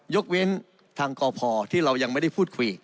ยกเว้นทางกพที่เรายังไม่ได้พูดคุย